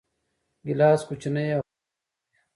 ګیلاس کوچنی او خوږ ښکاري.